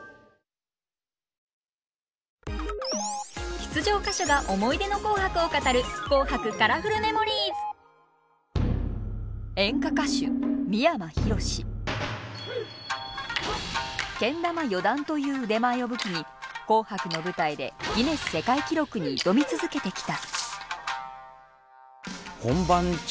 出場歌手が思い出の「紅白」を語るけん玉４段という腕前を武器に「紅白」の舞台でギネス世界記録に挑み続けてきた。